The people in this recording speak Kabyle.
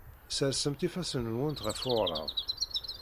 Ssersemt ifassen-nwent ɣef uɣrab.